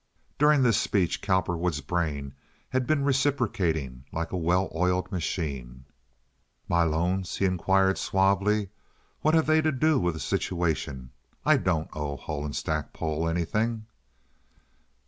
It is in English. During this speech Cowperwood's brain had been reciprocating like a well oiled machine. "My loans?" he inquired, suavely. "What have they to do with the situation? I don't owe Hull & Stackpole anything."